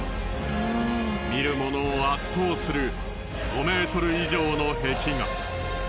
見るものを圧倒する５ｍ以上の壁画。